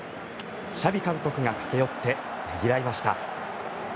シャビ監督が駆け寄ってねぎらいました。